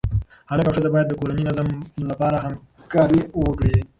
هلک او ښځه باید د کورني نظم لپاره همکاري وکړي.